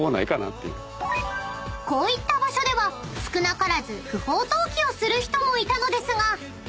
［こういった場所では少なからず不法投棄をする人もいたのですがヤッホー